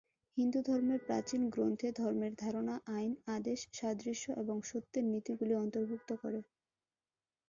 হিন্দুধর্মের প্রাচীন গ্রন্থে, ধর্মের ধারণা আইন, আদেশ, সাদৃশ্য এবং সত্যের নীতিগুলি অন্তর্ভুক্ত করে।